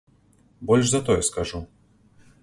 Больш за тое скажу.